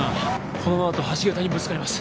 このままだと橋桁にぶつかります